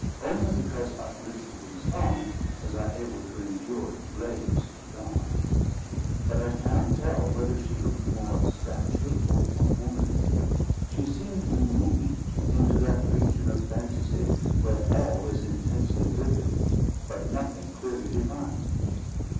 Only because uplifted in song, was I able to endure the blaze of the dawn. But I cannot tell whether she looked more of statue or more of woman; she seemed removed into that region of phantasy where all is intensely vivid, but nothing clearly defined.